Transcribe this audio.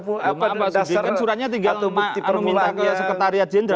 maaf pak suding kan suratnya tinggal minta ke sekretariat jenderal